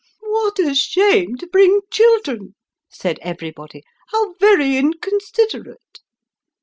" What a shame to bring children !" said everybody ;" how very inconsiderate